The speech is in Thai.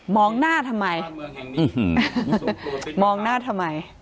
หน้าทำไมมองหน้าทำไม